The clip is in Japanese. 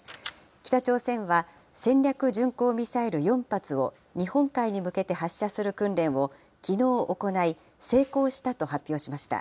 北朝鮮は戦略巡航ミサイル４発を、日本海に向けて発射する訓練をきのう行い、成功したと発表しました。